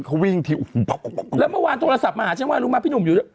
เขาวิ่งที่แล้วเมื่อวานโทรศัพท์มาหาฉันว่ารู้มั้ยพี่หนุ่มอยู่